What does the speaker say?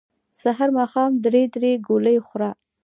سحر ماښام درې درې ګولۍ خوره